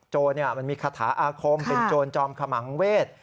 มันมีคาถาอาคมเป็นโจรจอมขมังเวศ